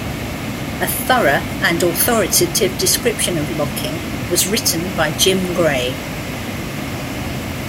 A thorough and authoritative description of locking was written by Jim Gray.